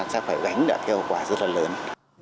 sẽ phải gánh đã cái hậu quả rất là lớn